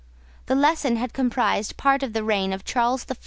The lesson had comprised part of the reign of Charles I.